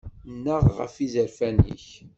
Nnaɣ ɣef yizerfan-ik.